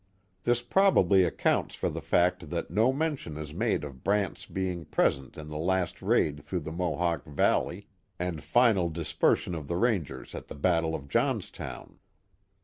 This probably ac counts for the fact that no mention is made of Brant's being present in the last raid through the Mohawk Valley, and final dispersion of the Rangers at the battle of Johnstown.